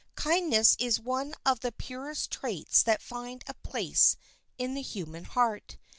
Kindness is one of the purest traits that find a place in the human heart.